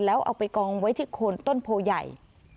แล้วเอาไปกองไว้ที่โคนต้นโพใหญ่